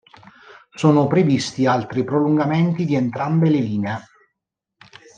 Sono previsti altri prolungamenti di entrambe le linee.